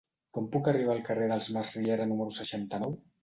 Com puc arribar al carrer dels Masriera número seixanta-nou?